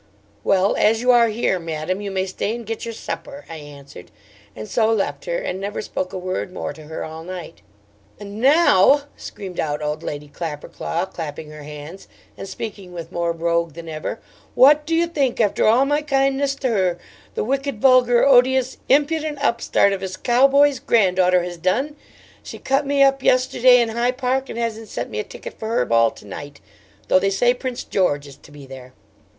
'"Well as you are here, madam, you may stay and get your supper," I answered, and so left her, and never spoke a word more to her all night. 'And now,' screamed out old Lady Clapperclaw, clapping her hands, and speaking with more brogue than ever, 'what do you think, after all my kindness to her, the wicked, vulgar, odious, impudent upstart of s cowboy's granddaughter, has done? she cut me yesterday in Hy' Park, and hasn't sent me a ticket for her ball to night, though they say Prince George is to be there.'